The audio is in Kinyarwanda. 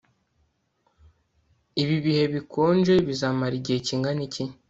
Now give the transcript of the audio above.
ibi bihe bikonje bizamara igihe kingana iki